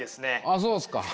あっそうですか。